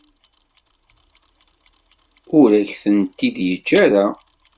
Ur ak-tent-id-yeǧǧa ara.